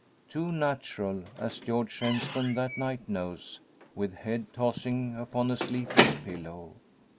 Too natural, as George Shenstone that night knows, with head tossing upon a sleepless pillow.